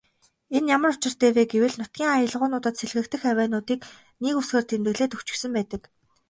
Энэ ямар учиртай вэ гэвэл нутгийн аялгуунуудад сэлгэгдэх авиануудыг нэг үсгээр тэмдэглээд өгчихсөн байдаг.